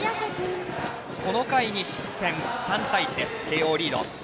この回に失点、３対１です慶応、リード。